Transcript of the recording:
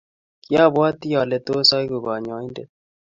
Kiabwati ale tos aeku konyoindet